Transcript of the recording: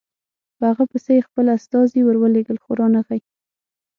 په هغه پسې یې خپل استازي ورولېږل خو رانغی.